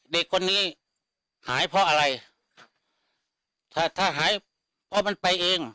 เด็กคนนี้หายเพราะอะไรถ้าถ้าหายเพราะมันไปเอง